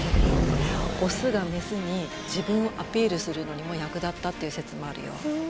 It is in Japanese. オスがメスに自分をアピールするのにも役立ったっていう説もあるよ。